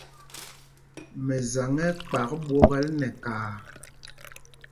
Mɛsaŋ ɛ́ ɛ́ kpak ɓwokɛl nɛ kaā.